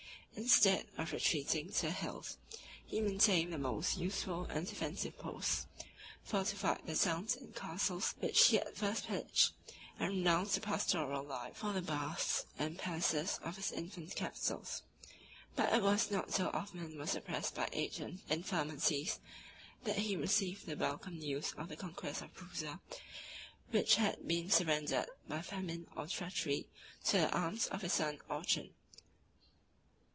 Instead of retreating to the hills, he maintained the most useful and defensive posts; fortified the towns and castles which he had first pillaged; and renounced the pastoral life for the baths and palaces of his infant capitals. But it was not till Othman was oppressed by age and infirmities, that he received the welcome news of the conquest of Prusa, which had been surrendered by famine or treachery to the arms of his son Orchan.